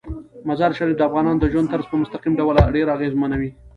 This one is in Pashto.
مزارشریف د افغانانو د ژوند طرز په مستقیم ډول ډیر اغېزمنوي.